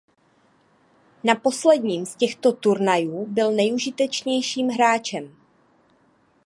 Na posledním z těchto turnajů byl nejužitečnějším hráčem.